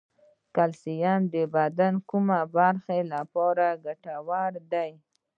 کلسیم د بدن د کومې برخې لپاره ګټور دی